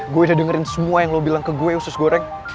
gue udah dengerin semua yang lo bilang ke gue usus goreng